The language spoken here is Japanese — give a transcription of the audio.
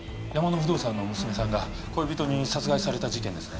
不動産の娘さんが恋人に殺害された事件ですね